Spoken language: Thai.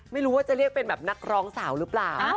ไม่รู้ว่าจะเรียกเป็นนักร้องสาวรึประ